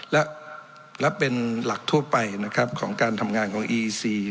และเป็นหลักทั่วไปนะครับของการทำงานของอีซี